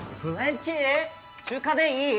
中華でいい？